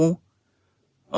hmm aku ingin tahu